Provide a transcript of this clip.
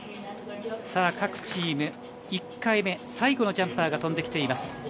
各チーム１回目、最後のジャンパーが飛んできています。